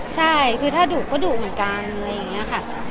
ใช่คือถ้าดุก็ดุเหมือนกันอะไรอย่างนี้ค่ะ